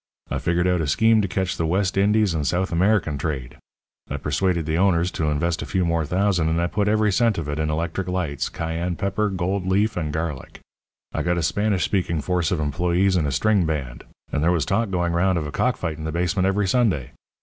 I figured out a scheme to catch the West Indies and South American trade. I persuaded the owners to invest a few more thousands, and I put every cent of it in electric lights, cayenne pepper, gold leaf, and garlic. I got a Spanish speaking force of employees and a string band; and there was talk going round of a cockfight in the basement every Sunday.